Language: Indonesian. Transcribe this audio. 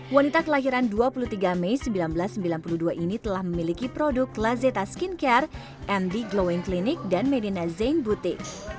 wanita kelahiran dua puluh tiga mei seribu sembilan ratus sembilan puluh dua ini telah memiliki produk lazeta skincare md glowing clinic dan medina zain butik